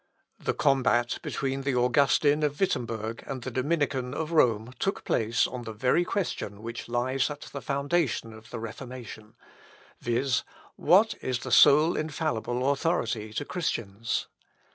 The combat between the Augustin of Wittemberg and the Dominican of Rome took place on the very question which lies at the foundation of the Reformation; viz., "What is the sole infallible authority to Christians?"